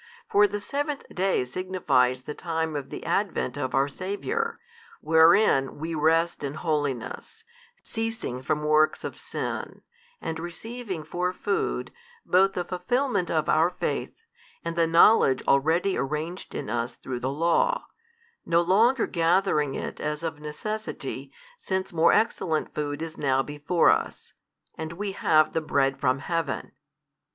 For the seventh day signifies the time of the Advent of our Saviour, wherein we rest in holiness, ceasing from works of sin, and receiving for food, both the fulfilment of our faith, and the knowledge already arranged in us through the Law, no longer gathering it as of necessity, since more excellent food is now before us, and we have the Bread from heaven.